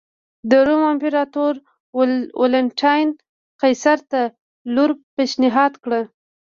د روم امپراتور والنټیناین قیصر ته لور پېشنهاد کړه.